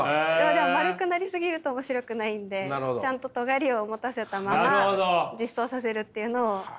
でも丸くなりすぎると面白くないんでちゃんととがりを持たせたまま実装させるっていうのを。